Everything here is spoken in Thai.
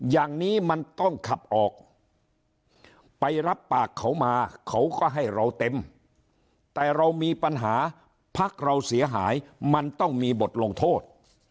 อย่างนี้มันต้องขับออกไปรับปากเขามาเขาก็ให้เราเต็มแต่เรามีปัญหาพักเราเสียหายมันต้องมีบทลงโทษ